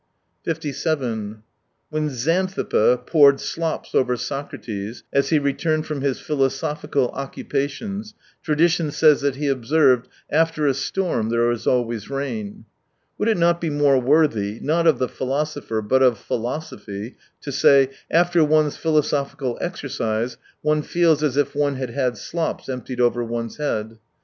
71 57 When Xanthippe poured slops over Soc rates, as he returned from his philosophical occupations, tradition says that he observed : "After a storm there is always rain." Would it not be more worthy (not of the philosopher, but of philosophy) to say : After one's philosophical exercise, one feels as if one had had slops emptied over one's head.